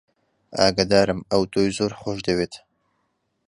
ئاگادارم ئەو تۆی زۆر خۆش دەوێت.